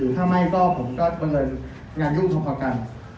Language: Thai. ถ้าไม่ก็ผมก็ประเมินงานยุ่งพอกัน